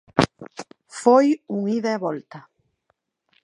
Foi un ida e volta.